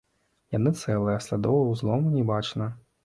Яны цэлыя, слядоў узлому не бачна.